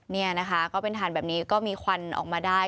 นี่นะคะก็เป็นฐานแบบนี้ก็มีควันออกมาได้